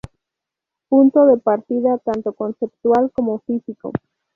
Punto de partida tanto conceptual como físico.